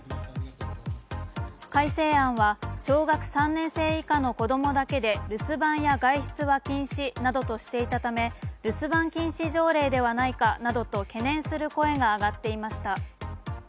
改正案は小学３年生以下の子供だけで留守番や外出は禁止などとしていたため留守番禁止条例ではないかなどと懸念する声が上がっていました。